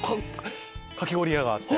かき氷屋があって。